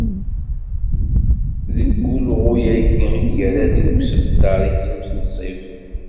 Deg wulɣu-agi, i d-yerra deg usebter-is unṣib.